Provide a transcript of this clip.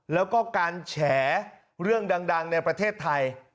แล้วก็การแฉเรื่องดังในประเทศไทย